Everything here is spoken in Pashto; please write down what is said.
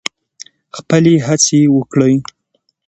خپلې هڅې وکړئ.